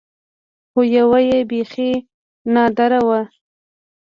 خو يوه يې بيخي نادره وه.